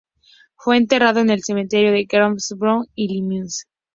Fue enterrado en el cementerio de Greenwood, Rockford, Illinois.